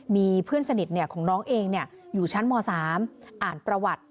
มีเพื่อนสนิทของน้องเองอยู่ชั้นม๓อ่านประวัติ